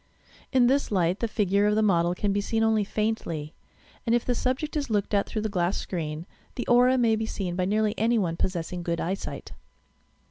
In this light the figure of the model can be seen only faintly, and if the subject is looked at through the glass screen, the aura may be seen by nearly any one, possessing good eyesight.